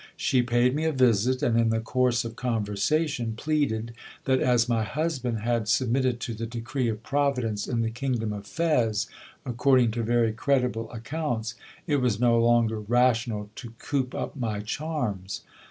She paid me a visit ; and in the course of conversation, pleaded, that as my husband had submitted to the decree of Providence in the kingdom of Fez, according to very credible accounts, it was no longer rational to coop up my charms.